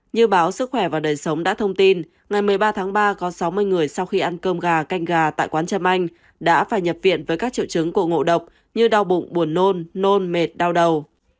như báo sức khỏe và đời sống đã thông tin ngày một mươi ba tháng ba có sáu mươi người sau khi ăn cơm gà canh gà tại quán trâm anh đã phải nhập viện với các triệu chứng của ngộ độc như đau bụng buồn nôn nôn mệt đau đầu